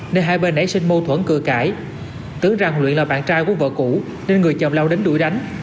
nên hai bên ấy xin mâu thuẫn cười cãi tưởng rằng luyện là bạn trai của vợ cũ nên người chồng lau đánh đuổi đánh